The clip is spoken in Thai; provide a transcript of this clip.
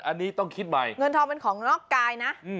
อันนี้ต้องคิดใหม่เงินทองเป็นของนอกกายนะ